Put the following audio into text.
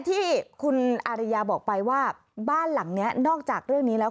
ที่คุณอาริยาบอกไปว่าบ้านหลังนี้นอกจากเรื่องนี้แล้ว